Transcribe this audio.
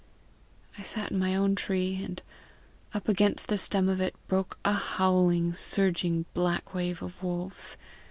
I sat in my own tree, and up against the stem of it broke a howling, surging black wave of wolves.